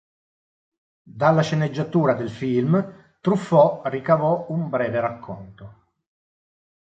Dalla sceneggiatura del film, Truffaut ricavò un breve racconto.